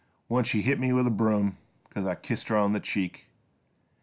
Once she hit me with a broom Cuz I kissed her on the cheek.